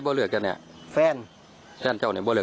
เพื่อเอาตัวอื่นแม่อีก